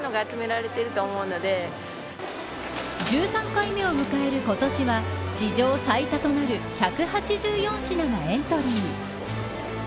１３回目を迎える今年は史上最多となる１８４品がエントリー。